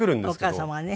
お母様はね。